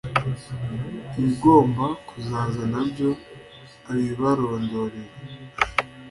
ibigomba kuzaza na byo abibarondorere!